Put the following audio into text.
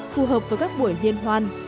phù hợp với các buổi hiên hoan du lịch